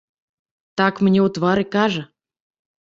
Так мне ў твар і кажа.